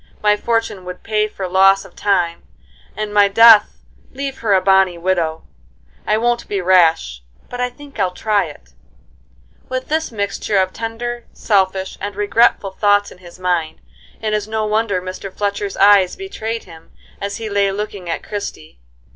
My fortune would pay for loss of time, and my death leave her a bonny widow. I won't be rash, but I think I'll try it," With this mixture of tender, selfish, and regretful thoughts in his mind, it is no wonder Mr. Fletchcr's eyes betrayed him, as he lay looking at Christie.